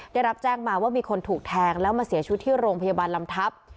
ได้รับแจ้งมาว่ามีคนถูกแทงแล้วมาเสียชีวิตที่โรงพยาบาลลำทับ